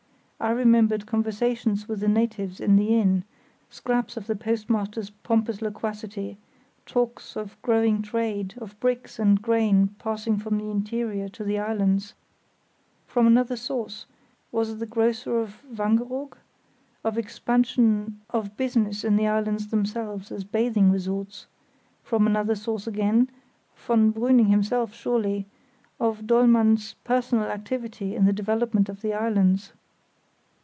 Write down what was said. I remembered conversations with the natives in the inn, scraps of the post master's pompous loquacity, talks of growing trade, of bricks and grain passing from the interior to the islands: from another source—was it the grocer of Wangeroog?—of expansion of business in the islands themselves as bathing resorts; from another source again—von Brüning himself, surely—of Dollmann's personal activity in the development of the islands.